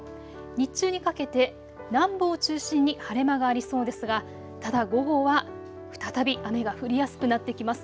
日中にかけて南部を中心に晴れ間がありそうですがただ午後は再び雨が降りやすくなってきます。